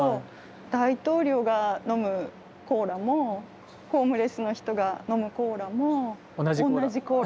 「大統領が飲むコーラもホームレスの人が飲むコーラも同じコーラ。